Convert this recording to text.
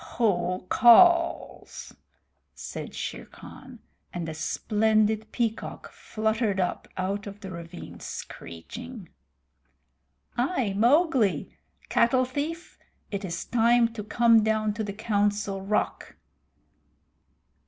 "Who calls?" said Shere Khan, and a splendid peacock fluttered up out of the ravine screeching. "I, Mowgli. Cattle thief, it is time to come to the Council Rock!